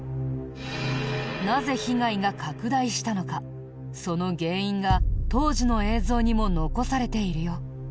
なぜ被害が拡大したのかその原因が当時の映像にも残されているよ。